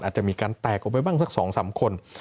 อาจจะมีการแตกออกไปบ้างสัก๒๓คน